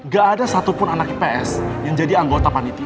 gak ada satupun anak ips yang jadi anggota panitia